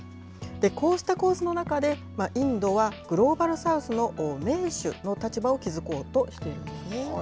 こうした構図の中で、インドはグローバル・サウスの盟主の立場を築こうとしていますね。